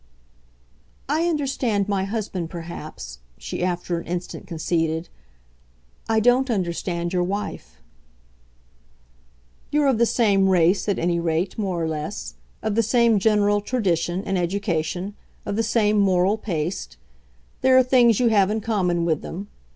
"I understand my husband perhaps," she after an instant conceded. "I don't understand your wife." "You're of the same race, at any rate more or less; of the same general tradition and education, of the same moral paste. There are things you have in common with them.